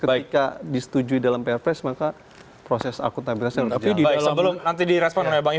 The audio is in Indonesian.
tidak disetujui dalam prp semaka proses akuntabilitas yang lebih di dalam nanti di